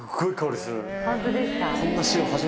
ホントですか？